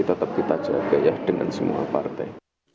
tetap kita jaga ya dengan semua partai